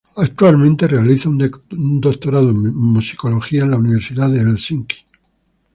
Actualmente realiza un Doctorado en Musicología en la Universidad de Helsinki.